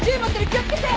気を付けて！